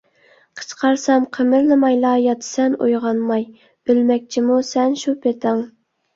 قىچقارسام قىمىرلىمايلا ياتىسەن، ئويغانماي ئۆلمەكچىمۇ سەن شۇ پېتىڭ؟!